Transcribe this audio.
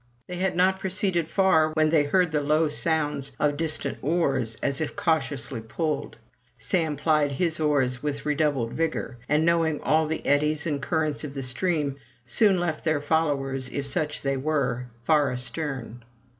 They had not proceeded far when they heard the low sounds of distant oars, as if cautiously pulled. Sam plied his oars with redoubled vigor, and knowing all the eddies and currents of the stream, soon left their followers, if such they were, far astern.